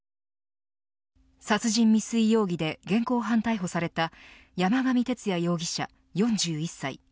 殺人未遂容疑で現行犯逮捕された山上徹也容疑者４１歳。